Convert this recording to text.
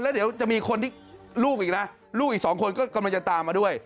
แล้วเดี๋ยวจะมีคนที่ลูกอีกนะลูกอีกสองคนก็กำลังจะตามมาด้วย